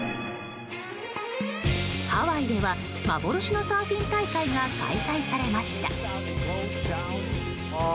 ハワイでは幻のサーフィン大会が開催されました。